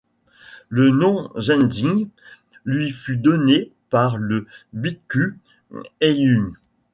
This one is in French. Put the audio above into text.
Le nom Zhenjin lui fut donné par le bikkhu Haiyun.